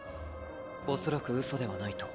恐らく嘘ではないと。